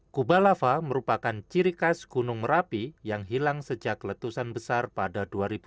kuba lava merupakan ciri khas gunung merapi yang hilang sejak letusan besar pada dua ribu